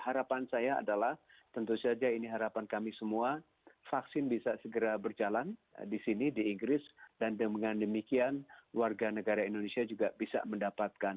harapan saya adalah tentu saja ini harapan kami semua vaksin bisa segera berjalan di sini di inggris dan dengan demikian warga negara indonesia juga bisa mendapatkan